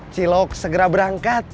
cilok segera berangkat